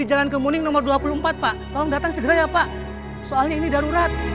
apa udah terjadi